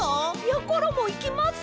やころもいきます！